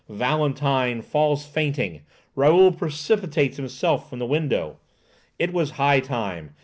Valentine falls fainting. Raoul precipitates himself from the window. It was high time.